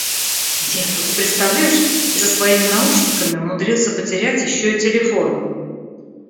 Нет, ну ты представляешь, я со своими наушниками умудрился потерять ещё и телефон!